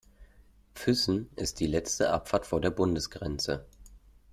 Füssen ist die letzte Abfahrt vor der Bundesgrenze.